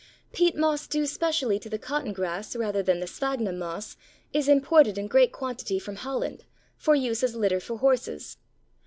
Peat moss due specially to the Cotton grass rather than the Sphagnum moss is imported in great quantity from Holland, for use as litter for horses.